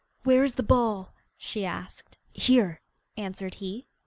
'Where is the ball?' she asked. 'Here,' answered he.